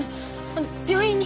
あの病院に。